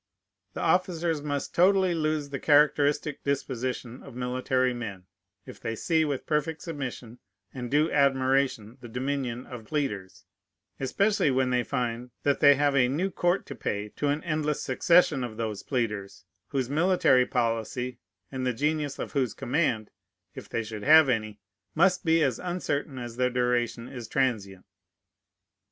The officers must totally lose the characteristic disposition of military men, if they see with perfect submission and due admiration the dominion of pleaders, especially when they find that they have a new court to pay to an endless succession of those pleaders, whose military policy, and the genius of whose command, (if they should have any,) must be as uncertain as their duration is transient.